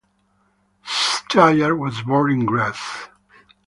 Stier was born in Greiz.